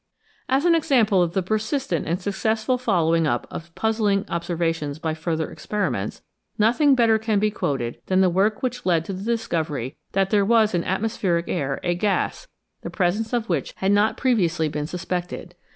As an example of the persistent and successful follow ing up of puzzling observations by further experiments, nothing better can be quoted than the work which led to the discovery that there was in atmospheric air a gas, the presence of which had not previously been 340 GREAT DISCOVERIES suspected.